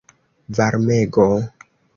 Varmego?